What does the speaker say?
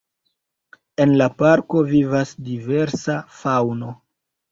En la parko vivas diversa faŭno.